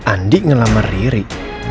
andi ngelamar ri